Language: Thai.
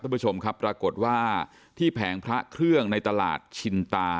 ผู้ชมครับปรากฏว่าที่แผงพระเครื่องในตลาดชินตา